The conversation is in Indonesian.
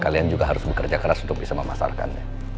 kalian juga harus bekerja keras untuk bisa memasarkannya